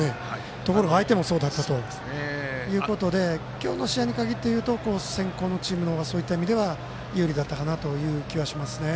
ところが相手もそうだったということで今日の試合に限っていうと先攻のチームの方が有利だったかなという気はしますね。